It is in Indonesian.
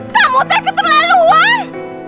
kamu teke terlalu awal